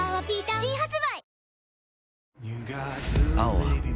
新発売